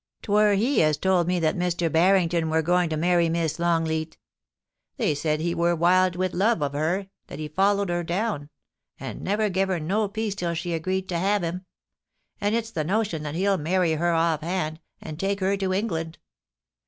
'Twur he as told me that Mr. Barrington wur going to marr>' Miss Longleat They said he were wild with love of her, that he followed her down, and never gev her no peace till she agreed to have him ; and it's the notion that he'll marry her off hand, and take her to England.